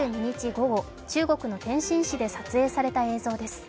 午後中国の天津市で撮影された映像です。